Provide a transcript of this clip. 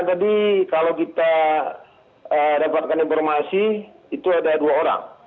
tadi kalau kita dapatkan informasi itu ada dua orang